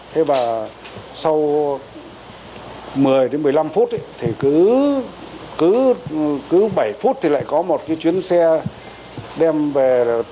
thế và sau một mươi đến một mươi năm phút thì cứ bảy phút thì lại có một cái chuyến xe đem về